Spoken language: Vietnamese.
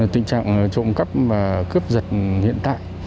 tình trạng trộm cắp và cướp giật hiện tại